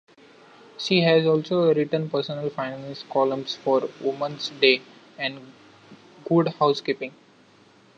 She has also written personal finance columns for "Woman's Day" and "Good Housekeeping".